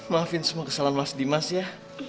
maafin semua kesalahan mas dimas ya